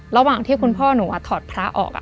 ระหว่างที่คุณพ่อหนูถอดพระออก